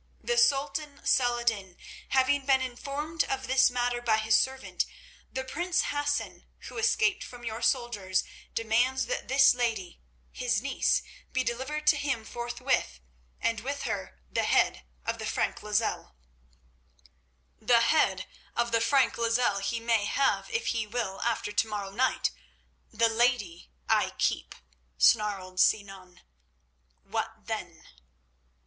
The Sultan, Salah ed din, having been informed of this matter by his servant, the prince Hassan, who escaped from your soldiers, demands that this lady, his niece, be delivered to him forthwith, and with her the head of the Frank Lozelle." "The head of the Frank Lozelle he may have if he will after to morrow night. The lady I keep," snarled Sinan. "What then?"